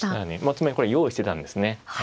つまりこれは用意してたんですね。